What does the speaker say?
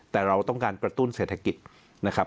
แต่เราต้องการกระตุ้นเศรษฐกิจนะครับ